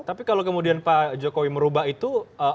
tapi kalau kemudian pak jokowi merubah itu